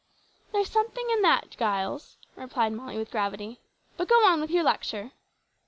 "There's something in that, Giles," replied Molly with gravity, "but go on with your lecture."